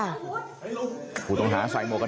น้าสาวของน้าผู้ต้องหาเป็นยังไงไปดูนะครับ